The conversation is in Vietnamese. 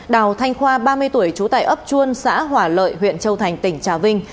đào thanh khoa ba mươi tuổi trú tại ấp chuôn xã hỏa lợi huyện châu thành tỉnh trà vinh